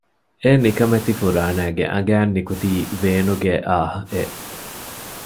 އެނިކަމެތި ފުރާނައިގެ އަނގައިން ނިކުތީ ވޭނުގެ އާހް އެއް